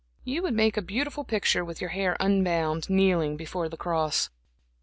You would make a beautiful picture with your hair unbound, kneeling before the cross."